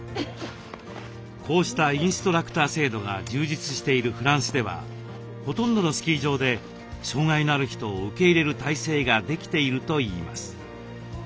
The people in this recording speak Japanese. こうしたインストラクター制度が充実しているフランスではほとんどのスキー場で障害のある人を受け入れる体制ができているといいます。